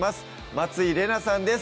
松井玲奈さんです